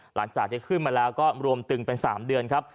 หลังจากที่ขึ้นมาแล้วก็รวมตึงเป็น๓เดือนครับ